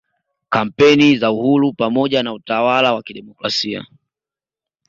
kampeni za uhuru pamoja na utawal wa kidemokrasia